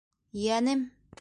Йәнем!